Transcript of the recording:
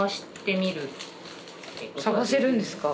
探せるんですか？